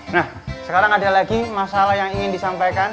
nah sekarang ada lagi masalah yang ingin disampaikan